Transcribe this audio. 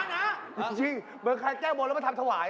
เหมือนใครแจ้วบ่นแล้วมาทำถ่วาย